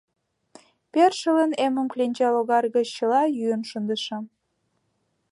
Першылын эмым кленча логар гыч чыла йӱын шындышым.